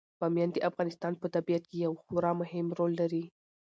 بامیان د افغانستان په طبیعت کې یو خورا مهم رول لري.